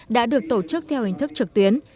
đã được tổ chức theo hình thức trực tuyến